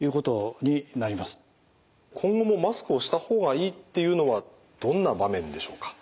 今後もマスクをした方がいいっていうのはどんな場面でしょうか？